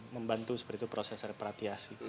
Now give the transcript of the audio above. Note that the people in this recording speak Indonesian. membantu seperti itu proses repatriasi